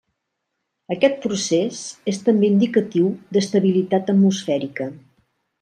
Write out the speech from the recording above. Aquest procés és també indicatiu d'estabilitat atmosfèrica.